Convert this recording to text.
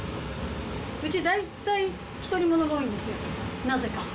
うち、大体ひとり者が多いんですよ、なぜか。